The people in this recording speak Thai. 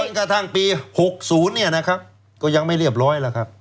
กระทั่งปี๖๐เนี่ยนะครับก็ยังไม่เรียบร้อยแล้วครับ